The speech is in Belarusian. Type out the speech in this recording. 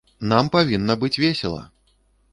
Нам павінна быць весела.